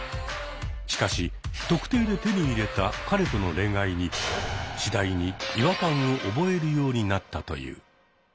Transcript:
しかし「特定」で手に入れた彼との恋愛に次第に違和感を覚えるようになったという。